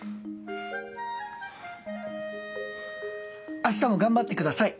あしたも頑張ってください。